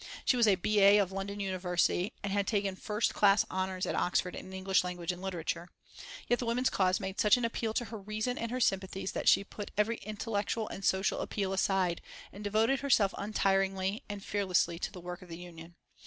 She was a B. A. of London University, and had taken first class honours at Oxford in English Language and Literature. Yet the women's cause made such an appeal to her reason and her sympathies that she put every intellectual and social appeal aside and devoted herself untiringly and fearlessly to the work of the Union.